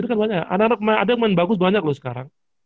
ada yang main bagus banyak loh sekarang